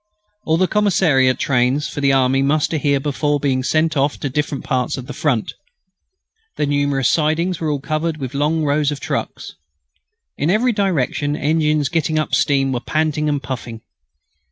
All the commissariat trains for the army muster here before being sent off to different parts of the Front. The numerous sidings were all covered with long rows of trucks. In every direction engines getting up steam were panting and puffing.